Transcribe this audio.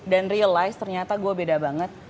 dan realize ternyata gue beda banget